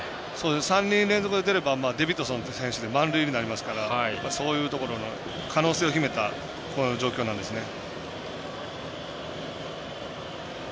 ３人連続で出ればデビッドソン選手で満塁になりますからそういうところの可能性を秘めた状況なんですね。